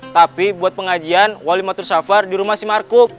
tapi buat pengajian wali matur syafar di rumah si markup